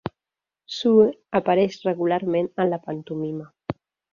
Sue apareix regularment en la pantomima.